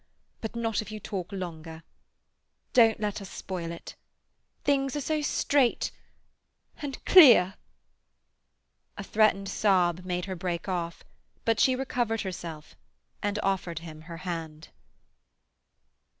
But not if you talk longer. Don't let us spoil it; things are so straight—and clear—" A threatened sob made her break off, but she recovered herself and offered him her hand.